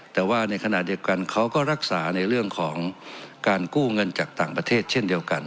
แต่ว่าในขณะเดียวกันเขาก็รักษาในเรื่องของการกู้เงินจากต่างประเทศเช่นเดียวกัน